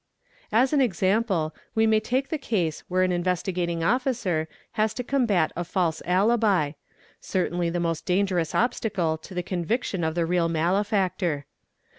:_ an example, we may take the case where an Investigating Officer s to combat a false alibi,""—"® certainly the most dangerous obstacle the conviction of the real malefactor.